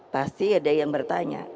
pasti ada yang bertanya